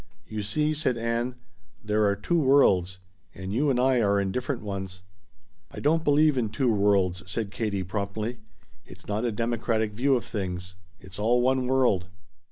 "You see," said Ann, "there are two worlds, and you and I are in different ones." "I don't believe in two worlds," said Katie promptly. "It's not a democratic view of things. It's all one world."